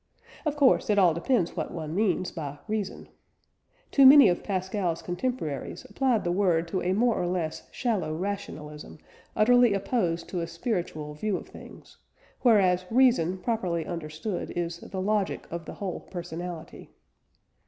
Of course it all depends what one means by "reason." Too many of Pascal's contemporaries applied the word to a more or less shallow rationalism utterly opposed to a spiritual view of things, whereas reason properly understood is "the logic of the whole personality."